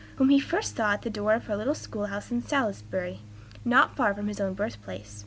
whom he first saw at the door of her little school house in Salisbury, not far from his own birthplace.